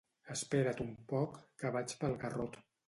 Espera't un poc, que vaig pel garrot.